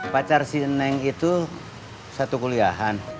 pacar si neng itu satu kuliahan